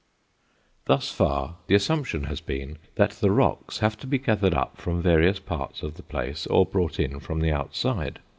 Thus far the assumption has been that the rocks have to be gathered up from various parts of the place or brought in from the outside.